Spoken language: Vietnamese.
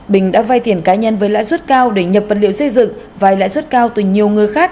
bình đã vay tiền cá nhân với lãi suất cao để nhập vật liệu xây dựng vai lãi suất cao từ nhiều người khác